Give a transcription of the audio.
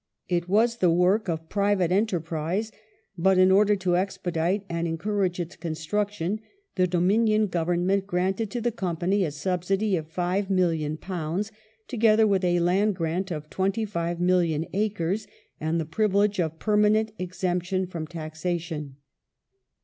It was the work of private enter prise, but in order to expedite and encourage its construction the Dominion Government granted to the Company a subsidy of £5,000,000, together with a land grant of 25,000,000 acres, and the privilege of permanent exemption from taxation.